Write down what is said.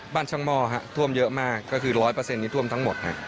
บ้านช่องม่อท่วมเยอะมากก็คือ๑๐๐ที่ท่วมทั้งหมด